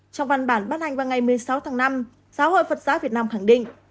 trong văn bản bắt hành vào ngày một mươi sáu tháng năm giáo hội phật giáo việt nam khẳng định